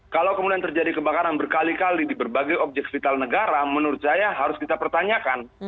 kalau kemudian terjadi kebakaran berkali kali di berbagai objek vital negara menurut saya harus kita pertanyakan